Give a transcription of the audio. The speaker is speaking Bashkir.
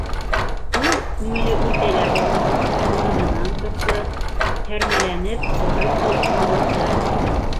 Ул, күңеле үтә лә болғанғас, урынынан торҙо, һәрмәләнеп барып ут ҡабыҙҙы.